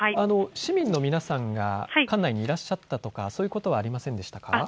市民の皆さんが館内にいらっしゃったとかそういうことはありませんでしたか。